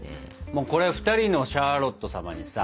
もうこれ２人のシャーロット様にさ。